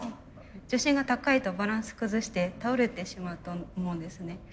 重心が高いとバランス崩して倒れてしまうと思うんですね。